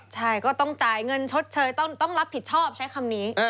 ใช่ก็ต้องจ่ายเงินชดเชยต้องรับผิดชอบใช้คำนี้